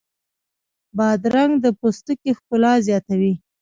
بادرنګ د پوستکي ښکلا زیاتوي.